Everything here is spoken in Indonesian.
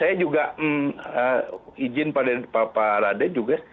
jadi saya juga izin pak rade juga